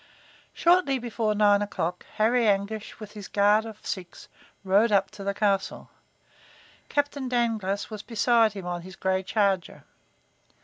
Shortly before nine o'clock, Harry Anguish, with his guard of six, rode up to the castle. Captain Dangloss was beside him on his gray charger.